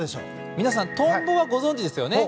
皆さんトンボはご存じですね。